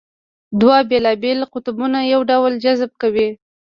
دوه بېلابېل قطبونه یو بل جذبه کوي.